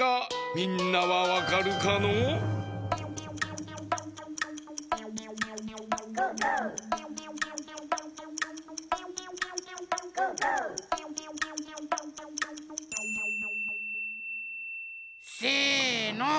みんなはわかるかのう？せの！